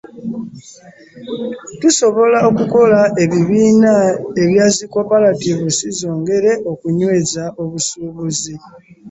Tusobola okukola ebibiina ebya zi Co-operatives zongere okunyweza obusuubuzi.